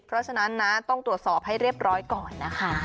เพราะฉะนั้นนะต้องตรวจสอบให้เรียบร้อยก่อนนะคะ